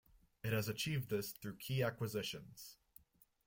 It has achieved this through key acquisitions.